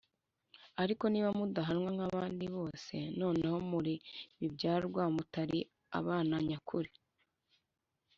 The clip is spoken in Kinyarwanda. Ariko niba mudahanwa nk'abandi bose, noneho muba muri ibibyarwa mutari abana nyakuri.